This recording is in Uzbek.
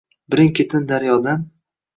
Birin-ketin daryodan